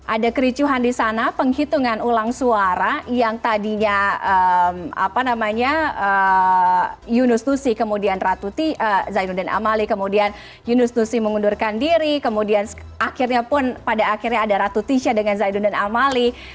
ada kericuhan di sana penghitungan ulang suara yang tadinya yunus nusi kemudian zainuddin amali kemudian yunus nusi mengundurkan diri kemudian akhirnya pun pada akhirnya ada ratu tisha dengan zainuddin amali